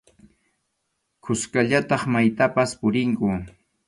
Kuskallataq maytapas purinku.